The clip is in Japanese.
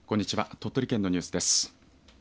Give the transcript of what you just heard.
鳥取県のニュースです。